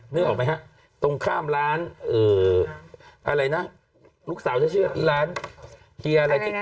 นึกออกไหมฮะตรงข้ามร้านอะไรนะลูกสาวจะชื่อร้านเกียร์อะไรที่